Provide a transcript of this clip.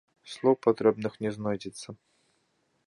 Слоў патрэбных не знойдзецца.